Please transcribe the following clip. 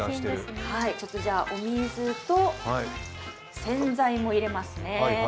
お水と洗剤も入れますね。